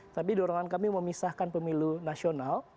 tapi dorongan kami memisahkan pemilu nasional